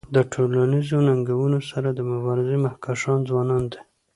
د ټولنیزو ننګونو سره د مبارزی مخکښان ځوانان دي.